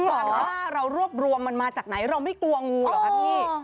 ความกล้าเรารวบรวมมันมาจากไหนเราไม่กลัวงูเหรอคะพี่